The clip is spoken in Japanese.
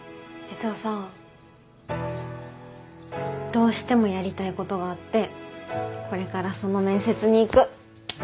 実はさどうしてもやりたいことがあってこれからその面接に行く。